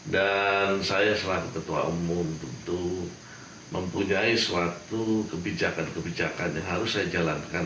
dan saya selagi ketua umum tentu mempunyai suatu kebijakan kebijakan yang harus saya jalankan